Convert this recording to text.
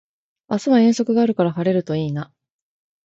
明日は遠足があるから晴れるといいな